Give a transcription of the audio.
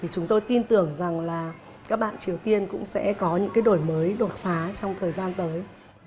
chúng tôi tin tưởng rằng các bạn triều tiên cũng sẽ có những đổi mới đột phá trong thời gian tới